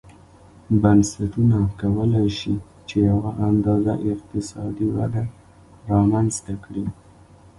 بنسټونه کولای شي چې یوه اندازه اقتصادي وده رامنځته کړي.